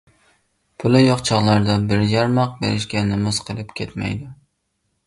پۇلى يوق چاغلاردا بىر يارماق بېرىشكە نومۇس قىلىپ كەتمەيدۇ.